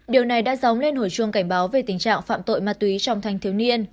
điều này đã dóng lên hồi chuông cảnh báo về tình trạng phạm tội ma túy trong thanh thiếu niên